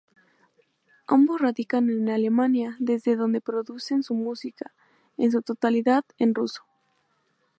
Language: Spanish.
Ambos radican en Alemania, desde donde producen su música, en su totalidad en ruso.